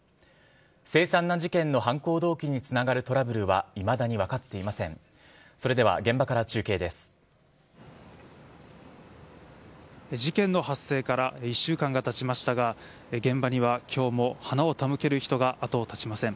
凄惨な事件の犯行動機につながるトラブルはいまだに分かっていません。